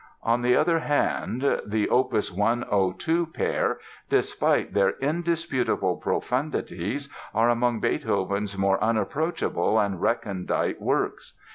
On the other hand, the opus 102 pair, despite their indisputable profundities, are among Beethoven's more unapproachable and recondite works.